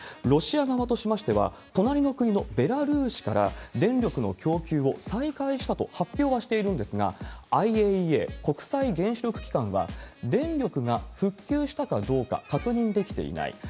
ロシア側としましては、隣の国のベラルーシから電力の供給を再開したと発表はしているんですが、ＩＡＥＡ・国際原子力機関は、電力が復旧したかどうか確認できていない。